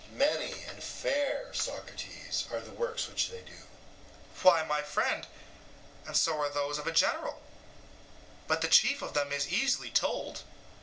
EUTHYPHRO: Many and fair, Socrates, are the works which they do. SOCRATES: Why, my friend, and so are those of a general. But the chief of them is easily told.